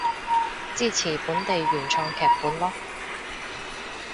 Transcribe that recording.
支持本地原創劇本囉